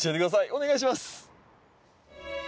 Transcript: お願いします。